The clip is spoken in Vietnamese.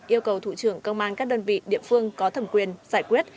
yêu cầu thủ trưởng công an các đơn vị địa phương có thẩm quyền giải quyết